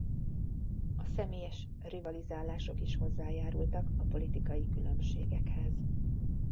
A személyes rivalizálások is hozzájárultak a politikai különbségekhez.